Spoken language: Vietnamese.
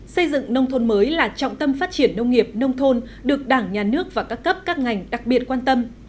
xây dựng nông thôn mới là trọng tâm phát triển nông nghiệp nông thôn được đảng nhà nước và các cấp các ngành đặc biệt quan tâm